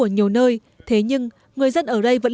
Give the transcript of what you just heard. nơi thế nhưng người dân ở đây vẫn